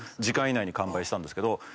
時間以内に完売したんですけど。